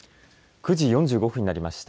９時４５分になりました。